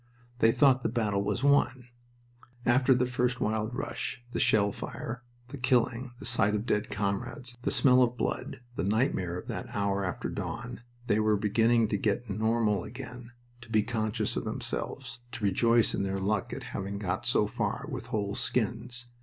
They thought the battle was won. After the first wild rush the shell fire, the killing, the sight of dead comrades, the smell of blood, the nightmare of that hour after dawn, they were beginning to get normal again, to be conscious of themselves, to rejoice in their luck at having got so far with whole skins.